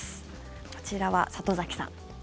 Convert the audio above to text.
こちらは、里崎さん。